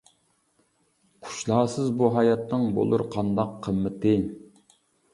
قۇشلارسىز بۇ ھاياتنىڭ، بولۇر قانداق قىممىتى.